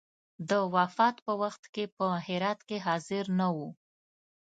د وفات په وخت کې په هرات کې حاضر نه وو.